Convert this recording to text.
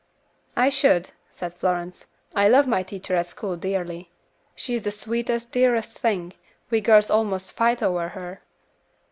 "I should," said Florence. "I love my teacher at school dearly; she is the sweetest, dearest thing, we girls almost fight over her."